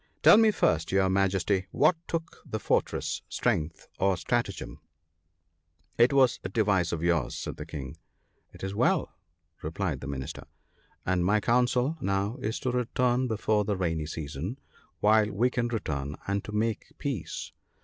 "Tell me first, your Majesty, what took the fortress, strength or stratagem ?" "It was a device of yours," said the King. "It is well," replied the Minister, "and my counsel now is to return before the rainy season, while we can return ; and to make peace.